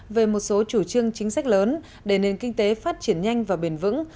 về một số chủ trương chính sách lớn để nền kinh tế phát triển nhanh và bền vững